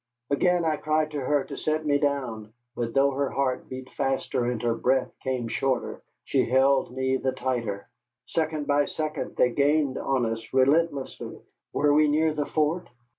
Again I cried to her to set me down; but though her heart beat faster and her breath came shorter, she held me the tighter. Second by second they gained on us, relentlessly. Were we near the fort?